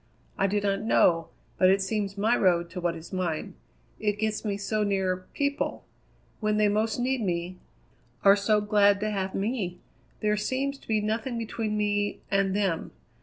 "I do not know, but it seems my road to what is mine. It gets me so near people when they most need me are so glad to have me! There seems to be nothing between me and them.